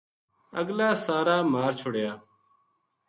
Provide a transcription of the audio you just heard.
اگلا سارا مار چھڑیا